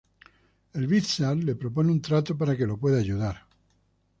El Vizard le propone un trato para que lo pueda ayudar.